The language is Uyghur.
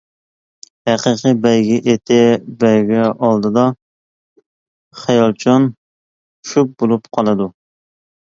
ھەقىقىي بەيگە ئېتى بەيگە ئالدىدا خىيالچان، شۈك بولۇپ قالىدۇ.